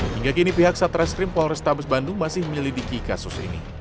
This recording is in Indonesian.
hingga kini pihak satreskrim polrestabes bandung masih menyelidiki kasus ini